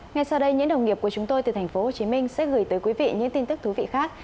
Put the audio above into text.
ngay sau đây những đồng nghiệp của chúng tôi từ thành phố hồ chí minh sẽ gửi tới quý vị những tin tức thú vị khác